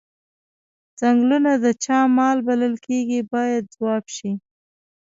څنګلونه د چا مال بلل کیږي باید ځواب شي.